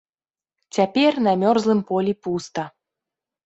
Цяпер на мёрзлым полі пуста.